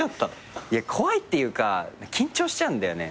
怖いっていうか緊張しちゃうんだよね。